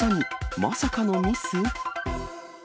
まさかのミス？